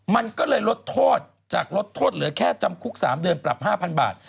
มันก็เลยลดโทษจากลดโทษเหลือแค่จำคุก๓เดือนปรับ๕๐๐บาท